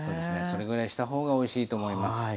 それぐらいした方がおいしいと思います。